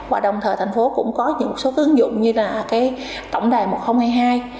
và đồng thời thành phố cũng có những số ứng dụng như là tổng đài một nghìn hai mươi hai